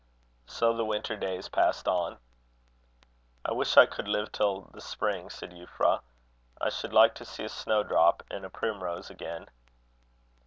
So the winter days passed on. "I wish I could live till the spring," said Euphra. "I should like to see a snowdrop and a primrose again."